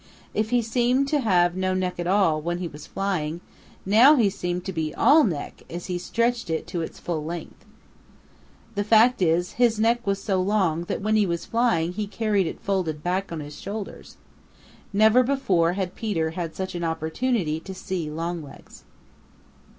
If he seemed to have no neck at all when he was flying, now he seemed to be all neck as he stretched it to its full length. The fact is, his neck was so long that when he was flying he carried it folded back on his shoulders. Never before had Peter had such an opportunity to see Longlegs.